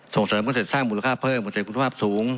ส่งเสริมเกษตรสร้างมูลค่าเพิ่มเกษตรคุณภาพสูง